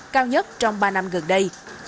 cao nhất trong ba năm gần đây